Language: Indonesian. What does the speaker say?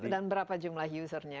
dan berapa jumlah usernya